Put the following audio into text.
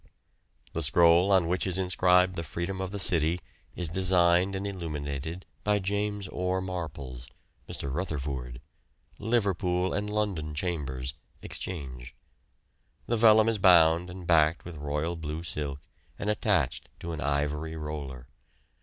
"The scroll on which is inscribed the freedom of the city is designed and illuminated by James Orr Marples (Mr. Rutherfoord), Liverpool and London Chambers, Exchange. The vellum is bound and backed with royal blue silk and attached to an ivory roller.